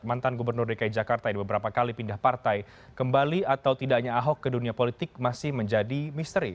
mantan gubernur dki jakarta yang beberapa kali pindah partai kembali atau tidaknya ahok ke dunia politik masih menjadi misteri